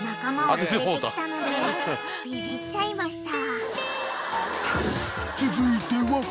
［当たっちゃいました］